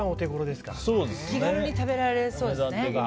気軽に食べられそうですね。